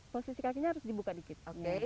posisi kakinya harus dibuka dikit